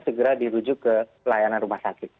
segera dirujuk ke pelayanan rumah sakit